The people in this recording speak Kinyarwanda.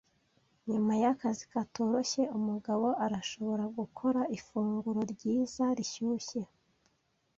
Nyuma yakazi katoroshye, umugabo arashobora gukora ifunguro ryiza, rishyushye.